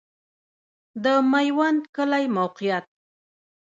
د میوند کلی موقعیت